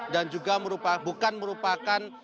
dan juga bukan merupakan